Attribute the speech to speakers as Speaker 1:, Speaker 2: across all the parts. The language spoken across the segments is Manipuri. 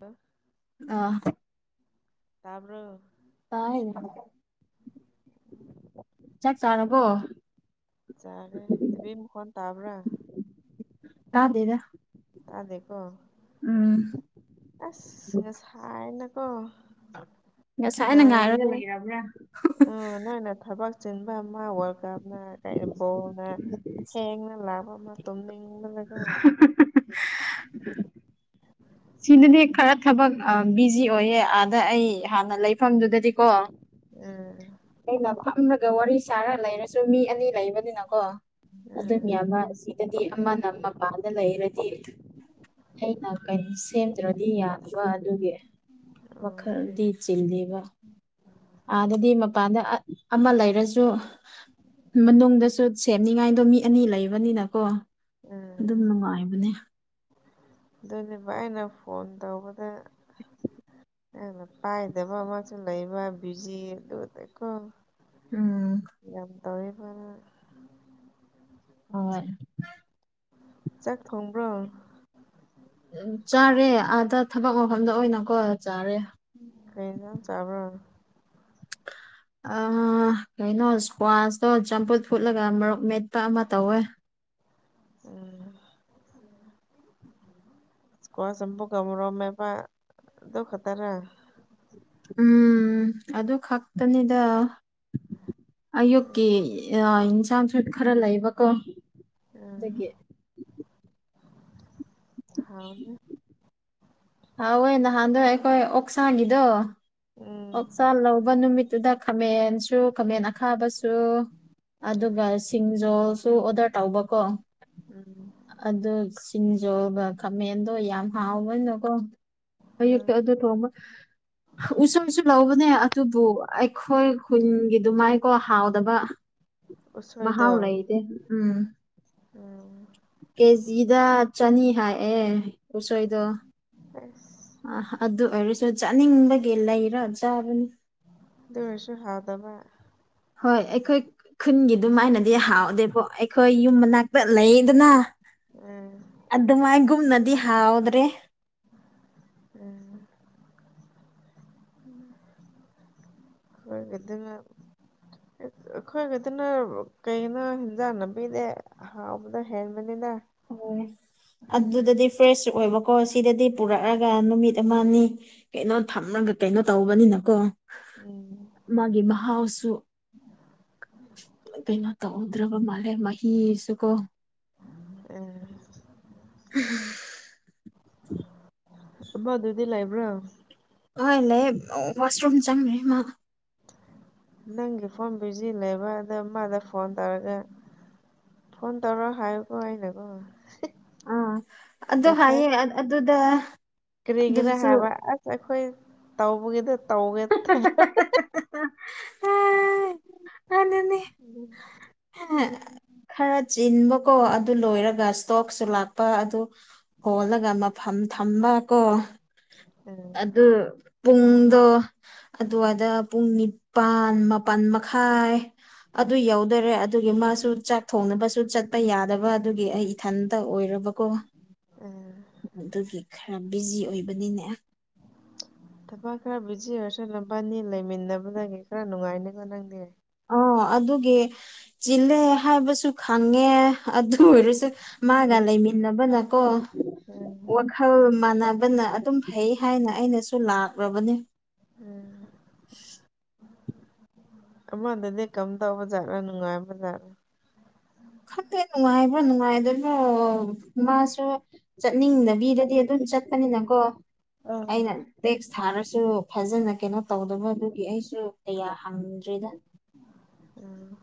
Speaker 1: ꯕꯥ
Speaker 2: ꯑꯥ
Speaker 1: ꯇꯥꯕ꯭ꯔꯣ
Speaker 2: ꯇꯥꯏ ꯆꯥꯛ ꯆꯥꯔꯕꯣ
Speaker 1: ꯆꯥꯔꯦ ꯇꯤ ꯚꯤ ꯃꯈꯣꯟ ꯇꯥꯕ꯭ꯔꯥ
Speaker 2: ꯆꯥꯗꯦꯗ
Speaker 1: ꯇꯥꯗꯦꯀꯣ
Speaker 2: ꯎꯝ
Speaker 1: ꯑꯁ ꯉꯁꯥꯏꯅꯀꯣ
Speaker 2: ꯉꯁꯥꯏꯅ ꯉꯥꯏꯔꯒ
Speaker 1: ꯉꯥꯏꯕꯅꯦ
Speaker 2: ꯂꯩꯔꯕ꯭ꯔꯥ
Speaker 1: ꯑꯥ ꯅꯪꯅꯥ ꯊꯕꯛꯁ ꯆꯤꯟꯕ ꯑꯃ ꯋꯥꯔꯜ ꯀꯞꯅ ꯀꯩ ꯕꯣꯜꯅ ꯊꯦꯡꯅ ꯂꯥꯕ ꯑꯃ ꯇꯨꯝꯅꯤꯡꯕꯅꯀꯣ
Speaker 2: [unintelligible]
Speaker 1: [inaudible]
Speaker 2: ꯁꯤꯗꯗꯤ ꯈꯔ ꯊꯕꯛ ꯑ ꯕꯤꯖꯤ ꯑꯣꯏꯌꯦ ꯑꯥꯗ ꯑꯩ ꯍꯥꯟꯅ ꯂꯩꯐꯝꯗꯨꯗꯗꯤꯀꯣ
Speaker 1: ꯎꯝ
Speaker 2: ꯑꯩꯅ ꯐꯝꯂꯒ ꯋꯥꯔꯤ ꯁꯥꯔ ꯂꯩꯔꯁꯨ ꯃꯤ ꯑꯅꯤ ꯂꯩꯕꯅꯤꯅꯀꯣ ꯑꯗꯨꯝ
Speaker 1: ꯎꯝ
Speaker 2: ꯌꯥꯝꯕ ꯑꯁꯤ ꯇꯥꯗꯤ ꯑꯃꯅ ꯃꯄꯥꯟꯗ ꯂꯩꯔꯦ ꯇꯤ ꯑꯩꯅ ꯀꯩꯅꯣ ꯁꯦꯝꯗ꯭ꯔꯗꯤ ꯌꯥꯗꯕ ꯑꯗꯨꯒꯤ
Speaker 1: ꯑꯣ
Speaker 2: ꯋꯥꯈꯜꯗꯤ ꯆꯤꯜꯂꯤꯚꯥ ꯑꯥꯗꯗꯤ ꯃꯞ ꯑꯥꯠ ꯑꯃ ꯂꯩꯔꯁꯨ ꯃꯅꯨꯡꯗꯁꯨ ꯁꯦꯝꯅꯤꯡꯉꯥꯏꯗꯣ ꯃꯤ ꯑꯅꯤ ꯂꯩꯕꯅꯤꯅꯀꯣ
Speaker 1: ꯎꯝ
Speaker 2: ꯑꯗꯨꯝ ꯅꯨꯡꯉꯥꯏꯕꯅꯦ
Speaker 1: ꯑꯗꯨꯅꯦꯕ ꯑꯩꯅ ꯐꯣꯟ ꯇꯧꯕꯗ ꯅꯪꯅ ꯄꯥꯏꯗꯕ ꯑꯃꯁꯨ ꯂꯩꯕ ꯕꯤꯖꯤ ꯑꯗꯨꯗꯀꯣ
Speaker 2: ꯎꯝ
Speaker 1: ꯌꯥꯝ ꯇꯧꯋꯦꯕꯣ ꯅꯪ
Speaker 2: ꯍꯣꯏ
Speaker 1: ꯆꯥꯛ ꯊꯣꯡꯕ꯭ꯔꯣ
Speaker 2: ꯎꯝ ꯆꯥꯔꯦ ꯑꯥꯗ ꯊꯕꯛ ꯃꯐꯝꯗ ꯑꯣꯏꯅꯀꯣ ꯆꯥꯔꯦ
Speaker 1: ꯀꯔꯤ ꯑꯦꯟꯁꯥꯡ ꯆꯥꯕ꯭ꯔꯣ
Speaker 2: ꯑꯥ ꯀꯩꯅꯣ ꯁꯀ꯭ꯋꯥꯁꯇꯣ ꯆꯝꯐꯨꯠ ꯐꯨꯠꯂꯒ ꯃꯔꯣꯛ ꯃꯦꯠꯄ ꯑꯃ ꯇꯧꯋꯦ
Speaker 1: ꯎꯝ ꯁꯀ꯭ꯋꯥꯁ ꯆꯝꯄꯨꯒ ꯃꯣꯔꯣꯛ ꯃꯦꯠꯄ ꯑꯗꯨ ꯈꯛꯇꯔꯥ
Speaker 2: ꯎꯝ ꯑꯗꯨ ꯈꯛꯇꯅꯤꯗꯥ ꯑꯌꯨꯛꯀꯤ ꯑ ꯏꯟꯁꯥꯡ ꯁꯨ ꯈꯔ ꯂꯩꯕꯀꯣ
Speaker 1: ꯑꯥ
Speaker 2: ꯑꯗꯨꯒꯤ
Speaker 1: ꯍꯥꯎꯅꯤ
Speaker 2: ꯍꯥꯎꯋꯦ ꯅꯍꯥꯟꯗꯣ ꯑꯩꯈꯣꯏ ꯑꯣꯛꯁꯥꯒꯤꯗꯣ
Speaker 1: ꯎꯝ
Speaker 2: ꯑꯣꯛꯁꯥ ꯂꯧꯕ ꯅꯨꯃꯤꯠꯇꯨꯗ ꯈꯥꯃꯦꯟ ꯇꯨ ꯈꯃꯦꯟ ꯑꯈꯥꯕꯁꯨ ꯑꯗꯨꯒ ꯁꯤꯡ ꯖꯣꯁꯨ ꯑꯣꯗꯔ ꯇꯧꯕ ꯀꯣ
Speaker 1: ꯎꯝ
Speaker 2: ꯑꯗꯨ ꯁꯤꯡꯖꯣꯒ ꯀꯃꯦꯟꯗꯣ ꯌꯥꯝ ꯍꯥꯎꯕꯅꯤꯅꯀꯣ ꯑꯌꯨꯛꯇ
Speaker 1: ꯎꯝ
Speaker 2: ꯑꯗꯨ ꯊꯣꯡꯕ ꯍꯥ ꯎꯁꯣꯏ ꯑꯩꯁꯨ ꯂꯧꯕꯅꯦ ꯑꯗꯨꯕꯨ ꯑꯩꯈꯣꯏ ꯈꯨꯨꯟꯒꯤ ꯑꯗꯨꯃꯥꯏꯀꯣ ꯍꯥꯎꯗꯕ
Speaker 1: ꯎꯁꯣꯏꯗꯣ
Speaker 2: ꯃꯍꯥꯎꯥ ꯂꯩꯇꯦ ꯎꯝ
Speaker 1: ꯎꯝ
Speaker 2: ꯀꯦꯖꯤꯗ ꯆꯅꯤ ꯍꯥꯏꯑꯦ ꯎꯁꯣꯏꯗꯣ
Speaker 1: ꯑꯁ
Speaker 2: ꯑ ꯑꯗꯨ ꯑꯣꯏꯔꯁꯨ ꯆꯥꯅꯤꯡꯕꯒꯤ ꯂꯩ ꯈꯔ ꯆꯥꯕꯅꯤ
Speaker 1: ꯑꯗꯨ ꯑꯣꯏꯔꯁꯨ ꯍꯥꯎꯗꯕ
Speaker 2: ꯍꯣꯏ ꯑꯩꯈꯣꯏ ꯈꯨꯟꯒꯤ ꯑꯗꯨꯃꯥꯏꯅꯗꯤ ꯍꯥꯎꯗꯦꯕꯣ ꯑꯩꯈꯣꯏ ꯌꯨꯝ ꯃꯅꯥꯛꯇ ꯂꯩꯌꯦꯗꯅꯥ
Speaker 1: ꯎꯝ
Speaker 2: ꯑꯗꯨꯃꯥꯏꯒꯨꯝꯅꯗꯤ ꯍꯥꯎꯗ꯭ꯔꯦ
Speaker 1: ꯎꯝ ꯎꯝ ꯈꯣꯏꯒꯤꯗꯨ ꯈꯤꯠꯇ ꯑꯩꯈꯣꯏꯒꯤꯗꯨꯅ ꯀꯩꯩꯅꯣ ꯍꯦꯟꯖꯥꯡ ꯅꯥꯕꯤꯗꯩ ꯍꯥꯎꯕꯗ ꯍꯦꯟꯕꯅꯤꯅ
Speaker 2: ꯍꯣꯏ ꯑꯗꯨꯗꯗꯤ ꯐ꯭ꯔꯦꯁꯁꯨ ꯑꯣꯏꯕꯀꯣ ꯁꯤꯗꯗꯤ ꯄꯨꯔꯛꯑꯒ ꯅꯨꯃꯤꯠ ꯑꯃꯑꯅꯤ ꯀꯩꯅꯣ ꯊꯝꯃꯒ ꯀꯩꯅꯣ ꯇꯧꯕꯅꯤꯅꯀꯣ
Speaker 1: ꯎꯝ
Speaker 2: ꯃꯥꯒꯤ ꯃꯍꯥꯎꯁꯨ ꯀꯩꯅꯣ ꯇꯧꯍꯧꯗ꯭ꯔꯕ ꯃꯥꯜꯂꯦ ꯃꯍꯤꯁꯨꯀꯣ
Speaker 1: ꯑꯦ
Speaker 2: [unintelligible]
Speaker 1: ꯑꯃꯗꯨꯗꯤ ꯂꯩꯕ꯭ꯔꯣ
Speaker 2: ꯍꯣꯏ ꯂꯩꯌꯦ ꯋꯥꯁꯔꯨꯝ ꯆꯪꯉꯤ ꯃꯥ
Speaker 1: ꯅꯪꯒꯤ ꯐꯣꯟ ꯕꯤꯖꯤ ꯂꯩꯕ꯭ꯔ ꯍꯥꯏꯕꯗ ꯃꯥꯅ ꯐꯣꯟ ꯇꯧꯔꯒꯦ ꯐꯣꯟ ꯇꯧꯔꯣ ꯍꯥꯏꯌꯨꯀꯣ ꯑꯩꯅꯀꯣ
Speaker 2: ꯑ ꯑꯗꯨ
Speaker 1: ꯉꯁꯥꯏ
Speaker 2: ꯍꯥꯏꯌꯦ ꯑ ꯑꯗꯨꯗ
Speaker 1: ꯀꯔꯤꯒꯤꯔ
Speaker 2: ꯑꯗꯨꯁꯨ
Speaker 1: ꯍꯥꯏꯕ ꯑꯁ ꯑꯩꯈꯣꯏ ꯇꯧꯕꯒꯤꯗ ꯇꯧꯒꯦ
Speaker 2: ꯑꯗꯨꯅꯦ
Speaker 1: [unintelligible] [unintelligible] [unintelligible]
Speaker 2: ꯈꯔ ꯆꯤꯟꯕꯀꯣ ꯑꯗꯨ ꯂꯣꯏꯔꯒ ꯁ꯭ꯇꯣꯛꯁꯨ ꯂꯥꯛꯄ ꯑꯗꯨ ꯍꯣꯜꯂꯒ ꯃꯐꯝ ꯊꯝꯕ ꯀꯣ
Speaker 1: ꯎꯝ
Speaker 2: ꯑꯗꯨ ꯄꯨꯡꯗꯣ ꯑꯗꯨꯋꯥꯏꯗ ꯄꯨꯡ ꯅꯤꯄꯥꯜ ꯃꯥꯄꯟ ꯃꯈꯥꯏ ꯑꯗꯨ ꯌꯧꯗꯧꯔꯦ ꯑꯗꯨꯒꯤ ꯃꯥꯁꯨ ꯆꯥꯛ ꯊꯣꯡꯅꯕꯁꯨ ꯆꯠꯄ ꯌꯥꯗꯕ ꯑꯗꯨꯒꯤ ꯑꯩ ꯏꯊꯟꯇ ꯑꯣꯏꯔꯕꯀꯣ
Speaker 1: ꯎꯝ
Speaker 2: ꯑꯗꯨꯒꯤ ꯈꯔ ꯕꯤꯖꯤ ꯑꯣꯏꯕꯅꯤꯅꯦ
Speaker 1: [inaudible] ꯊꯕꯛ ꯈꯔ ꯕꯤꯖꯤ ꯑꯣꯢꯔꯁꯨ ꯅꯝꯕꯥꯅꯤ ꯂꯩꯃꯤꯟꯅꯕꯗꯒꯤ ꯈꯔ ꯅꯨꯡꯉꯥꯏꯅꯤꯒꯣ ꯅꯪꯗꯤ
Speaker 2: ꯑꯣ ꯑꯗꯨꯒꯤ ꯆꯤꯜꯂꯦ ꯍꯥꯏꯕꯁꯨ ꯈꯪꯉꯦ ꯑꯗꯨ ꯑꯣꯏꯔꯁꯨ ꯃꯥꯒ
Speaker 1: ꯎꯝ
Speaker 2: ꯂꯩꯃꯤꯟꯅꯕ ꯅ ꯀꯣ
Speaker 1: ꯎꯝ
Speaker 2: ꯈꯜ ꯃꯥꯟꯅꯕꯅ ꯑꯗꯨꯝ ꯐꯩ ꯍꯥꯏꯅ ꯑꯩꯅꯁꯨ ꯂꯥꯛꯔꯕꯅꯤ
Speaker 1: ꯎꯝ ꯑꯃꯗꯨꯗꯤ ꯀꯝꯗꯧꯕꯖꯥꯠꯂꯥ ꯅꯨꯡꯉꯥꯏꯕꯖꯥꯠꯂꯥ
Speaker 2: ꯈꯪꯗꯦ ꯅꯨꯡꯉꯥꯏꯕ꯭ꯔ ꯅꯨꯡꯉꯥꯏꯗꯕ꯭ꯔꯣ ꯃꯥꯁꯨ ꯆꯠꯅꯤꯡꯗꯕꯤꯗꯗꯤ ꯑꯗꯨꯝ ꯆꯠꯄꯅꯤꯅꯀꯣ
Speaker 1: ꯑ
Speaker 2: ꯑꯩꯅ ꯇꯦꯛꯁ ꯊꯥꯔꯁꯨ ꯐꯖꯅ ꯀꯩꯅꯣ ꯇꯧꯗꯕꯗꯨꯒꯤ ꯑꯩꯁꯨ ꯀꯌꯥ ꯍꯪꯗ꯭ꯔꯤꯗ
Speaker 1: ꯎꯝ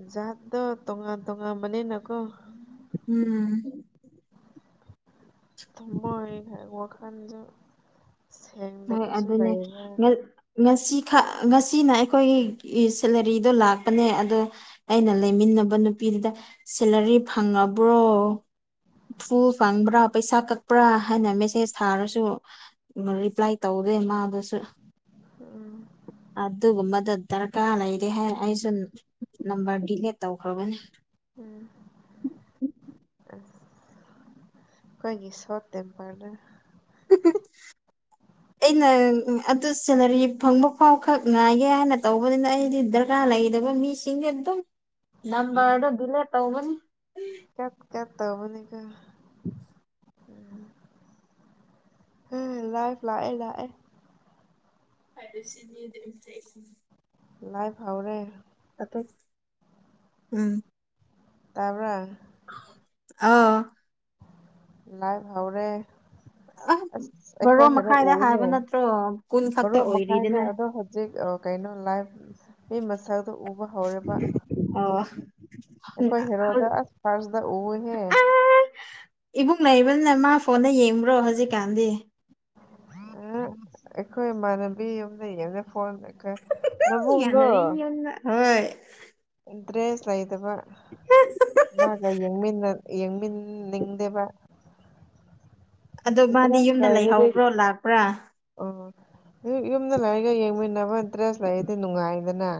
Speaker 1: ꯥꯖꯥꯠꯇꯣ ꯇꯣꯡꯉꯥꯟ ꯇꯣꯡꯉꯥꯟ ꯕꯅꯤꯅꯀꯣ
Speaker 2: ꯎꯝ
Speaker 1: ꯊꯝꯃꯣꯏꯗ ꯋꯥꯈꯟꯖꯨ ꯁꯦꯡꯗꯕꯁꯨ ꯂꯩꯔꯦ
Speaker 2: ꯉꯁꯤꯈ ꯉꯁꯤꯅ ꯑꯩꯈꯣꯏꯒꯤ ꯁꯦꯂꯥꯔꯤꯗꯣ ꯂꯥꯛꯄꯅꯦ ꯑꯗꯣ ꯑꯩꯅ ꯂꯩꯃꯤꯟꯅꯕ ꯅꯨꯄꯤꯗꯨꯗ ꯁꯦꯂꯔꯤ ꯐꯪꯉꯕ꯭ꯔꯣ ꯐꯨꯜ ꯐꯪꯕ꯭ꯔꯥ ꯄꯩꯁꯥ ꯀꯛꯄ꯭ꯔꯥ ꯍꯥꯏꯅ ꯃꯦꯁꯦꯖ ꯊꯥꯔꯁꯨ ꯔꯤꯄ꯭ꯂꯥꯏ ꯇꯧꯗꯦ ꯃꯥꯗꯨꯁꯨ
Speaker 1: ꯎꯝ
Speaker 2: ꯑꯗꯨꯒꯨꯝꯕꯗ ꯗꯔꯀꯥꯔ ꯂꯩꯔꯦ ꯍꯥꯏ ꯑꯩꯁꯨ ꯅꯝꯕꯔ ꯗꯤꯂꯦꯠ ꯇꯧꯈ꯭ꯔꯕꯅꯤ
Speaker 1: [unintelligible] ꯈꯣꯏꯒꯤ ꯁꯣꯔꯠ ꯇꯦꯝꯄꯔꯗ [unintelligible]
Speaker 2: ꯑꯩꯅ ꯑꯗꯨ ꯁꯦꯂꯔꯤ ꯐꯪꯕ ꯐꯥꯎꯈꯛ ꯉꯥꯏꯒꯦ ꯍꯥꯏꯅ ꯇꯧꯕꯅꯤꯅ ꯑꯩꯗꯤ ꯗꯔꯀꯥꯔ ꯂꯩꯗꯕ ꯃꯤꯁꯤꯡ ꯑꯩꯗꯤ ꯗꯨꯝ ꯅꯝꯕꯥꯔꯗꯣ ꯗꯤꯂꯦꯠ ꯇꯧꯕꯅꯤ
Speaker 1: [unintelligible] ꯇꯧꯕꯅꯤꯗ ꯂꯥꯏꯐ ꯂꯥꯛꯑꯦ ꯂꯥꯛꯑꯦ
Speaker 2: [unintelligible]
Speaker 1: ꯂꯥꯏꯐ ꯍꯥꯎꯔꯦ
Speaker 2: ꯎꯝ
Speaker 1: ꯇꯥꯕ꯭ꯔ
Speaker 2: ꯑꯧ
Speaker 1: ꯂꯥꯏꯐ ꯍꯧꯔꯦ
Speaker 2: ꯑ
Speaker 1: ꯑꯁ
Speaker 2: ꯕꯥꯔꯣ
Speaker 1: ꯑꯩꯈꯣꯏ ꯍꯦꯔꯣ
Speaker 2: ꯃꯈꯥꯏꯗ
Speaker 1: ꯎꯨꯢꯅꯦ
Speaker 2: ꯍꯥꯏꯕ ꯅꯠꯇ꯭ꯔꯣ ꯀꯨꯟ ꯈꯛꯇ
Speaker 1: ꯕꯥꯔꯣ ꯃꯈꯥꯏꯅꯦ
Speaker 2: ꯑꯣꯏꯔꯤꯗꯅ
Speaker 1: ꯑꯗꯣ [unintelligible] ꯖꯤꯛ ꯀꯩꯅꯣ ꯂꯥꯏꯐ ꯃꯤ ꯃꯁꯛꯗ ꯎꯕ ꯍꯧꯔꯦꯕ
Speaker 2: ꯑꯧ ꯑꯥ
Speaker 1: ꯑꯩꯈꯣꯏ ꯍꯦꯔꯣꯗ ꯑꯁ ꯐꯥꯔꯁꯇ ꯎꯋꯦꯍꯦ
Speaker 2: ꯏꯕꯨꯡ ꯂꯩꯕꯅꯤꯅ ꯃꯥ ꯐꯣꯟꯗ ꯌꯦꯡꯕ꯭ꯔꯣ ꯍꯧꯖꯤꯛꯀꯥꯟꯗꯤ
Speaker 1: ꯑꯩꯈꯣꯏ ꯏꯃꯥꯟꯅꯕꯤ ꯌꯨꯝꯗꯩ ꯌꯦꯡꯉ ꯐꯣꯟ ꯅꯕꯨꯡꯗꯣ
Speaker 2: ꯌꯥꯅꯔꯤ ꯌꯨꯝꯗ ꯍꯣꯏ
Speaker 1: ꯢꯟꯇ꯭ꯔꯦꯁ ꯂꯩꯗꯕ ꯃꯥꯒ ꯌꯦꯡꯃꯤꯟꯅ ꯌꯦꯡꯃꯤꯅꯤꯡꯗꯦꯕ
Speaker 2: ꯑꯗꯣ ꯃꯥꯗꯤ ꯌꯨꯝꯗ ꯂꯩꯍꯧꯕ꯭ꯔꯣ ꯂꯥꯛꯄ꯭ꯔꯥ
Speaker 1: ꯑꯣ ꯌꯨꯝꯗ ꯂꯩꯔꯤꯒ ꯌꯦꯡꯃꯤꯟꯅꯕ ꯇ꯭ꯔꯦꯁ ꯂꯩꯗꯤ ꯅꯨꯡꯉꯥꯏꯗꯅ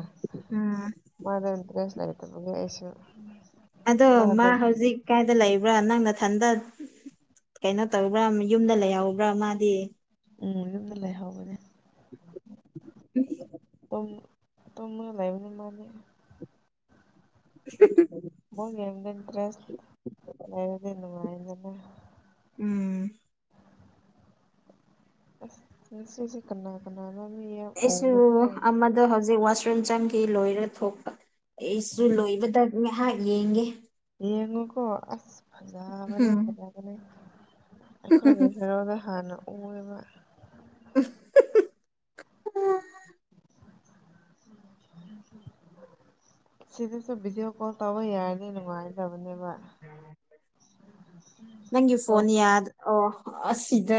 Speaker 2: ꯎꯝ
Speaker 1: ꯃꯥꯗꯣ ꯏꯟꯇ꯭ꯔꯦꯁ ꯂꯩꯇꯕꯒꯤ ꯑꯩꯁꯨ
Speaker 2: ꯑꯗꯣ ꯃꯥ
Speaker 1: ꯃꯥꯗꯣ
Speaker 2: ꯍꯧꯖꯤꯛ ꯀꯥꯏꯗ ꯂꯩꯕ꯭ꯔꯥ ꯅꯪ ꯅꯊꯟꯗ ꯀꯩꯅꯣ ꯇꯧꯕ꯭ꯔꯥ ꯌꯨꯝꯗ ꯂꯩꯍꯧꯕ꯭ꯔꯥ ꯃꯥꯗꯤ
Speaker 1: ꯎꯝ ꯌꯨꯝꯗ ꯂꯩꯍꯧꯕꯅꯦ
Speaker 2: [unintelligible]
Speaker 1: ꯇꯨꯝ ꯇꯨꯝ ꯂꯩꯕꯅꯦ ꯃꯥꯗꯤ
Speaker 2: [unintelligible]
Speaker 1: ꯕꯣꯜ ꯌꯦꯡꯕꯗ ꯏꯟꯇ꯭ꯔꯦꯁ ꯂꯩꯥꯔꯗꯤ ꯅꯨꯡꯉꯥꯏꯅꯤꯗꯅ
Speaker 2: ꯎꯝ
Speaker 1: ꯑꯁ ꯉꯁꯤꯗꯤ ꯀꯅꯥ ꯀꯅꯥꯅꯣ ꯃꯤ ꯌꯥꯝ ꯎꯔꯦꯍꯦ꯫
Speaker 2: ꯑꯗꯣ ꯍꯧꯖꯤꯛ ꯋꯥꯁꯔꯨꯝ ꯆꯪꯈꯤ ꯂꯣꯏꯔ ꯊꯣꯛꯄ ꯑꯩꯁꯨ ꯂꯣꯏꯕꯗ ꯉꯥꯏꯍꯥꯛ ꯌꯦꯡꯒꯦ꯫
Speaker 1: ꯌꯦꯡꯉꯨꯀꯣ ꯑꯁ ꯐꯖꯥꯕꯅꯦ
Speaker 2: ꯎꯝ
Speaker 1: ꯐꯖꯕꯅꯦ꯫ ꯑꯩꯈꯣꯏꯒꯤ ꯍꯦꯔꯣꯗ ꯍꯥꯟꯅ ꯎꯌꯦꯕ꯫
Speaker 2: [unintelligible]
Speaker 1: [unintelligible] ꯁꯤꯗꯁꯨ ꯕꯤꯗꯤꯑꯣ ꯀꯣꯜ ꯇꯧꯕ ꯌꯥꯔꯅꯤ ꯅꯨꯡꯉꯥꯏ ꯒꯗꯕꯅꯦꯕ꯫
Speaker 2: ꯅꯪꯒꯤ
Speaker 1: ꯀꯣ
Speaker 2: ꯐꯣꯟ ꯌꯥꯗ ꯑꯣ ꯑꯁꯤꯗ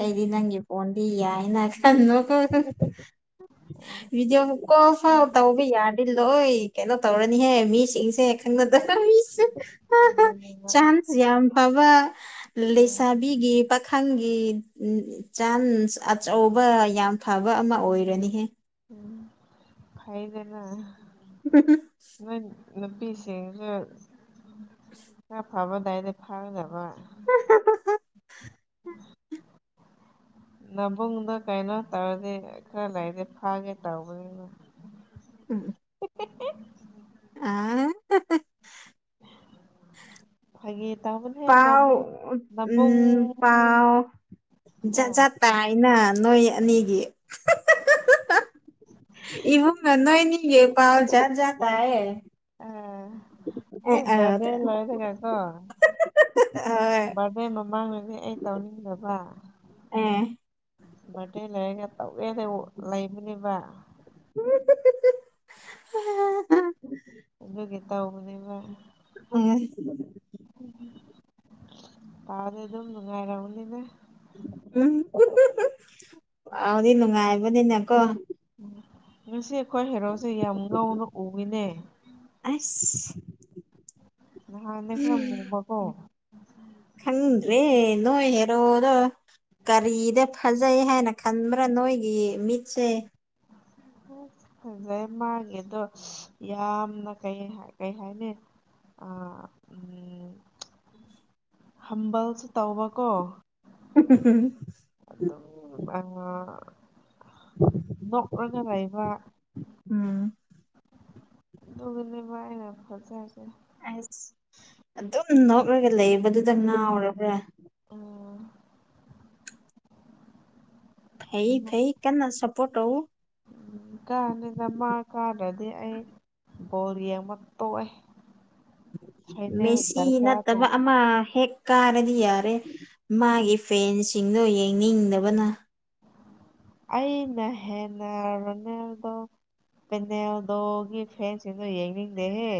Speaker 2: ꯑꯩꯗꯤ ꯅꯪꯒꯤ ꯑꯣꯟꯗꯤ ꯌꯥꯏꯅ ꯈꯟꯕꯀꯣ ꯚꯤꯗꯤꯑꯣ ꯀꯣꯜ ꯐꯥꯎ ꯇꯧ ꯌꯥꯔꯗꯤ ꯂꯣꯏ ꯀꯩꯅꯣ ꯇꯧꯔꯅꯤꯍꯦ ꯃꯤꯁꯤꯡꯁꯦ ꯈꯪꯅꯗ ꯃꯤꯁꯨ꯫
Speaker 1: ꯑꯗꯨꯅꯦꯕ
Speaker 2: ꯆꯥꯟꯁ ꯌꯥꯝ ꯐꯕ
Speaker 1: ꯎꯝ
Speaker 2: ꯂꯩꯁꯥꯕꯤꯒꯤ ꯄꯥ ꯈꯪꯒꯤ ꯆꯥꯟꯁ ꯑꯆꯧꯕ ꯌꯥꯝ ꯐꯕ ꯑꯃ ꯑꯣꯏꯔꯅꯤꯍꯦ꯫
Speaker 1: ꯎꯝ ꯐꯩ ꯕꯦꯝꯃꯥ
Speaker 2: [unintelligible]
Speaker 1: ꯅꯣꯏ ꯅꯨꯄꯤꯁꯤꯡꯁꯨ ꯈꯔ ꯐꯥꯕ ꯂꯩꯔꯗꯤ ꯐꯥꯒꯗꯕ꯫ ꯃꯥꯕꯨꯡꯗꯣ ꯀꯩꯅꯣ ꯇꯧꯔꯗꯤ ꯈꯔ ꯂꯩꯔꯗꯤ ꯐꯥꯒꯦ ꯇꯧꯕꯅꯤꯕ꯫
Speaker 2: ꯎꯝ ꯎꯝ
Speaker 1: [unintelligible]
Speaker 2: ꯑꯥ [unintelligible]
Speaker 1: ꯐꯥꯒꯤ ꯇꯥꯎꯕꯅꯦ
Speaker 2: ꯄꯥꯎ ꯎꯝ ꯄꯥꯎ ꯖꯥꯠ ꯖꯥꯠ ꯇꯥꯏꯅ ꯅꯣꯏ ꯑꯅꯤꯒꯤ [unintelligible] ꯏꯃꯨꯡꯅ ꯅꯣꯏꯅꯤꯒꯤ ꯄꯥꯎ ꯖꯥꯠꯖꯥꯠ ꯇꯥꯏꯌꯦ꯫
Speaker 1: ꯑ
Speaker 2: ꯑꯦ
Speaker 1: ꯍꯣꯏ
Speaker 2: ꯑ
Speaker 1: ꯕꯥꯔꯗꯦ ꯂꯣꯏꯔꯒꯀꯣ
Speaker 2: ꯍꯣꯏ ꯑꯦ
Speaker 1: ꯕꯥꯔꯗꯦ ꯃꯃꯥꯡꯗꯗꯤ ꯑꯩ ꯇꯧꯅꯤꯡꯗꯕ꯫
Speaker 2: ꯎꯝ
Speaker 1: ꯕꯥꯔꯗꯦ ꯂꯩꯔꯒ ꯇꯧꯒꯦꯅ ꯂꯩꯕꯅꯦꯕ꯫
Speaker 2: [unintelligible]
Speaker 1: ꯑꯗꯨꯒꯤ ꯇꯥꯎꯕꯅꯤꯕꯥ
Speaker 2: [unintelligible]
Speaker 1: ꯄꯥꯎꯗꯤ ꯑꯗꯨꯝ ꯅꯨꯡꯉꯥꯏꯔꯝꯒꯅꯤꯗ꯫
Speaker 2: ꯎꯝ [unintelligible] ꯄꯥꯎꯗꯤ ꯅꯨꯡꯉꯥꯏꯕꯅꯤꯅꯀꯣ
Speaker 1: ꯉꯁꯤ ꯑꯩꯈꯣꯏ ꯍꯦꯔꯣꯁꯦ ꯌꯥꯝ ꯉꯧꯅ ꯎꯏꯅꯦ꯫
Speaker 2: ꯑꯁ
Speaker 1: ꯅꯍꯥꯟꯅ ꯈ꯭ꯔ ꯃꯨꯕꯀꯣ
Speaker 2: ꯈꯪꯗ꯭ꯔꯦ ꯅꯣꯏ ꯍꯦꯔꯣꯗꯣ ꯀꯔꯤꯗ ꯐ ꯐꯖꯩ ꯍꯥꯏꯅ ꯈꯟꯕ꯭ꯔꯥ ꯅꯣꯏꯒꯤ ꯃꯤꯠꯁꯦ
Speaker 1: ꯑꯁ ꯐꯖꯩ ꯃꯥꯒꯤꯗꯣ ꯌꯥꯝꯅ ꯀꯩ ꯀꯩ ꯍꯥꯏꯅꯤ ꯑꯥ ꯎꯝ
Speaker 2: [inaudible]
Speaker 1: ꯍꯝꯕꯜꯁꯨ ꯇꯧꯕꯀꯣ
Speaker 2: [unintelligible]
Speaker 1: ꯑꯗꯨꯝ ꯑꯉꯥ ꯅꯣꯛꯔꯒ ꯂꯩꯕ
Speaker 2: ꯎꯝ
Speaker 1: ꯗꯨꯒꯤꯅꯤꯕ ꯑꯩꯅ ꯐꯖꯔꯤꯁꯦ꯫
Speaker 2: ꯑꯁ ꯑꯗꯨꯝ ꯅꯣꯛꯔꯒ ꯂꯩꯕꯗꯨꯗ ꯉꯥꯎꯔꯕ꯭ꯔꯥ?
Speaker 1: ꯑꯣ
Speaker 2: ꯐꯩ ꯐꯩ ꯀꯟ ꯅ ꯁꯄꯣꯠ ꯇꯧ
Speaker 1: ꯎꯝ ꯀꯥꯟꯅꯤꯅ ꯃꯥ ꯀꯥꯥꯗꯗꯤ ꯑꯩ ꯕꯣꯜ ꯌꯦꯡꯕ ꯇꯣꯛꯑꯦ ꯐꯥꯏꯅꯦꯜ
Speaker 2: ꯃꯦꯁꯤ
Speaker 1: ꯗꯔꯀꯥꯔ
Speaker 2: ꯅꯠꯇꯕ
Speaker 1: ꯇꯥꯗꯦ
Speaker 2: ꯑꯃ ꯍꯦꯛ ꯀꯥꯔꯗꯤ ꯌꯥꯔꯦ ꯃꯥꯒꯤ ꯐꯦꯟꯁꯤꯡꯗꯣ ꯌꯦꯡꯅꯤꯡꯗꯕꯅ
Speaker 1: ꯑꯩꯅ ꯍꯦꯟꯅ ꯄꯦꯅꯦꯜꯗꯣꯒꯤ ꯐꯦꯟꯁꯤꯡꯗꯣ ꯌꯦꯡꯅꯤꯡꯗꯦꯍꯦ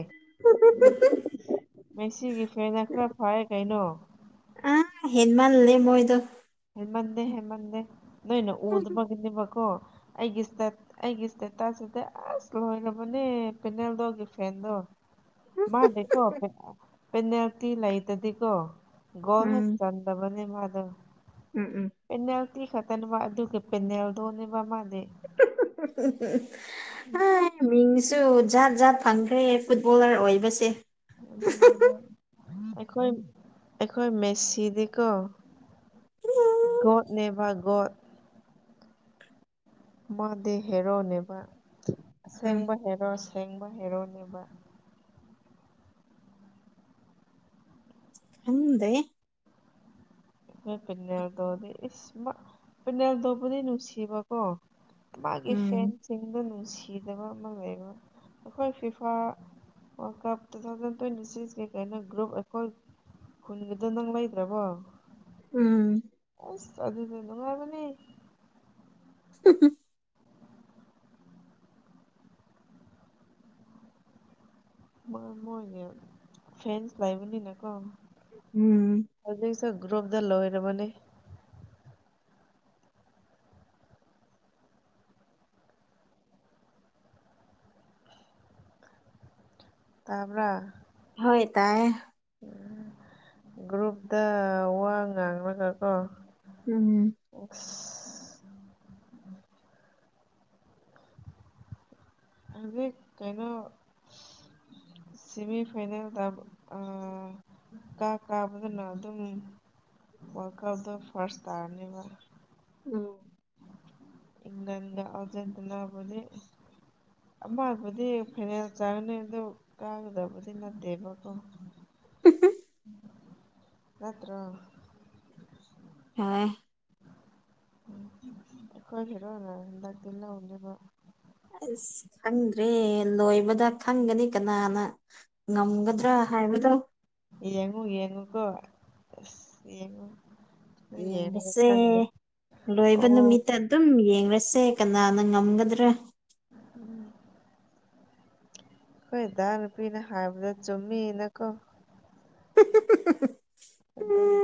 Speaker 1: ꯃꯦꯁꯤꯒꯤ ꯐꯦꯟꯅ ꯈꯔ ꯐꯩꯌꯦ ꯀꯩꯅꯣ
Speaker 2: ꯍꯦꯟꯃꯟꯂꯦ ꯃꯣꯏꯗꯣ
Speaker 1: ꯍꯦꯟꯃꯟꯗꯦ ꯍꯦꯟꯃꯟꯗꯦ ꯅꯣꯏꯅ ꯎꯗꯕꯒꯤꯅꯦꯕꯀꯣ ꯑꯩꯒꯤ ꯁ꯭ꯇꯠ ꯑꯩꯒꯤ ꯁ꯭ꯇꯦꯇꯥꯁꯇꯗꯤ ꯑꯁ ꯂꯣꯏꯔꯕꯅꯦ ꯄꯦꯅꯦꯜꯗꯣꯒꯤ ꯐꯦꯟꯗꯣ ꯃꯥꯗꯤꯀꯣ ꯄꯦꯅꯦꯜꯇꯤ ꯂꯩꯇꯗꯤꯀꯣ ꯒꯣꯜ ꯍꯦꯛ
Speaker 2: ꯎꯝ
Speaker 1: ꯆꯟꯗꯕꯅꯦ ꯃꯥꯗꯦ
Speaker 2: ꯎꯝ ꯎꯝ
Speaker 1: ꯄꯦꯟꯅꯜꯇꯤ ꯈꯛꯇꯅꯦꯕ ꯑꯗꯨꯒꯤ ꯄꯦꯟꯅꯜꯗꯣꯅꯦꯕ ꯃꯥꯗꯤ
Speaker 2: [unintelligible]
Speaker 1: [unintelligible]
Speaker 2: ꯍ ꯃꯤꯡꯁꯨ ꯖꯥꯠ ꯖꯥꯠ ꯐꯪꯈ꯭ꯔꯦ ꯐꯨꯠꯕꯣꯂꯔ ꯑꯣꯏꯕꯁꯦ
Speaker 1: ꯑꯩꯈꯣꯏ ꯑꯩꯈꯣꯏ ꯃꯦꯁꯤꯗꯤꯀꯣ ꯒꯣꯠꯅꯦꯕ ꯒꯣꯠ ꯃꯥꯗꯤ ꯍꯦꯔꯣꯅꯦꯕ
Speaker 2: ꯎꯝ
Speaker 1: ꯑꯁꯦꯡꯕ ꯍꯦꯔꯣ ꯁꯦꯡꯕ ꯍꯦꯔꯣꯅꯦꯕ
Speaker 2: ꯇꯅꯤꯡꯗꯦꯍꯦ
Speaker 1: ꯅꯣꯢ ꯄꯤꯅꯥꯜ ꯗꯣꯗꯤ ꯏꯁ ꯃꯥ ꯄꯤꯅꯥꯜꯗꯣꯕꯨꯗꯤ ꯅꯨꯡꯁꯤꯕ ꯀꯣ ꯃꯥꯒꯤ
Speaker 2: ꯎꯝ
Speaker 1: ꯐꯦꯟꯁ ꯆꯤꯡꯗ ꯅꯨꯡꯁꯤꯗꯕ ꯑꯃ ꯂꯩꯕ ꯑꯈꯣꯏ FIFA world cup two thousand twenty ꯁꯤꯛꯁꯀꯤ ꯀꯩꯅ ꯒ꯭ꯔꯨꯞ ꯑꯩꯈꯣꯏ ꯈꯨꯟꯒꯤꯗ ꯅꯪ ꯂꯩꯗ꯭ꯔꯕꯣ
Speaker 2: ꯎꯝ
Speaker 1: ꯑꯁ ꯑꯗꯨꯗꯤ ꯅꯨꯡꯉꯥꯏꯕꯅꯤ
Speaker 2: [unintelligible]
Speaker 1: ꯃ ꯃꯣꯢꯒꯤ ꯐꯦꯟꯁ ꯂꯩꯕꯅꯤꯅ ꯀꯣ
Speaker 2: ꯎꯝ
Speaker 1: ꯍꯧꯖꯤꯛꯁꯨ ꯒ꯭ꯔꯨꯞꯇ ꯂꯣꯏꯔꯕꯅꯤ ꯇꯥꯕ꯭ꯔꯥ
Speaker 2: ꯍꯣꯏ ꯇꯥꯏꯌꯦ
Speaker 1: ꯒ꯭ꯔꯨꯞꯇ ꯋꯥ ꯉꯥꯡꯂꯒꯀꯣ
Speaker 2: [unintelligible]
Speaker 1: [unintelligible] ꯑꯗꯤ ꯀꯩꯅꯣ ꯁꯤꯃꯤ ꯐꯥꯏꯅꯦꯜꯗ ꯑꯥ ꯀꯥ ꯀꯥꯕꯗꯨꯅ ꯑꯗꯨꯝ ꯋꯥ꯭ꯔꯜ ꯀꯞꯗꯣ ꯐꯥ꯭ꯔꯁ ꯇꯥꯔꯅꯦꯕ
Speaker 2: ꯎꯝ
Speaker 1: ꯢꯪꯂꯦꯟꯗ ꯑꯔꯖꯦꯟꯇꯤꯅꯥꯕꯨꯗꯤ ꯑꯃꯕꯨꯗꯤ ꯐꯥꯏꯅꯦꯜꯁ ꯆꯥꯒꯅꯤ ꯑꯗꯨ ꯀꯥꯒꯗꯕꯗꯤ ꯅꯠꯇꯦꯕꯀꯣ
Speaker 2: [unintelligible]
Speaker 1: ꯅꯇ꯭ꯔꯣ
Speaker 2: ꯍꯨꯝ
Speaker 1: ꯎꯝ ꯑꯩꯈꯣꯏ ꯍꯦꯔꯣꯅ ꯍꯟꯗꯛꯇꯤ ꯂꯧꯂꯤꯕ
Speaker 2: ꯑꯁ ꯈꯪꯗ꯭ꯔꯦ ꯂꯣꯏꯕꯗ ꯈꯪꯒꯅꯤ ꯀꯅꯥꯅ ꯉꯝꯒꯗ꯭ꯔꯥ ꯍꯥꯏꯕꯗꯣ
Speaker 1: ꯌꯦꯡꯉꯨ ꯌꯦꯡꯉꯨꯀꯣ ꯑꯁ ꯌꯦꯡꯉꯨ
Speaker 2: ꯌꯦꯡꯕꯁꯦ ꯂꯣꯏꯕ
Speaker 1: ꯑꯣ
Speaker 2: ꯅꯨꯃꯤꯠꯇ ꯑꯗꯨꯝ ꯌꯦꯡꯔꯁꯦ ꯀꯅꯥꯅ ꯉꯝꯒꯗ꯭ꯔꯥ
Speaker 1: ꯎꯝ ꯈꯣꯏꯗꯥ ꯅꯨꯄꯤꯅ ꯍꯥꯏꯕꯗ ꯆꯨꯝꯃꯤ ꯅ ꯀꯣ ꯑꯗꯨꯝ